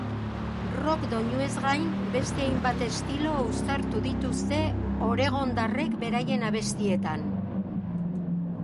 Rock doinuez gain, beste hainbat estilo uztartu dituzte oregondarrek beraien abestietan.